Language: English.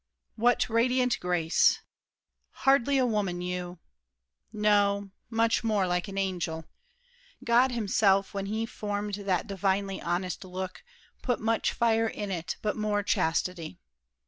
What radiant grace! Hardly a woman, you! No: much more like an angel. God Himself When He formed that divinely honest look Put much fire in it but more chastity.